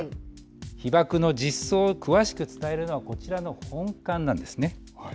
被爆の実相を詳しく伝えるのはこちらの本館なんですね。